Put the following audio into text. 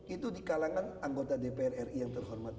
itu di kalangan anggota dpr ri yang terhormat